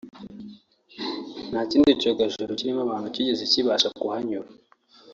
ntakindi cyogajuru kirimo abantu cyigeze kibasha kuhanyura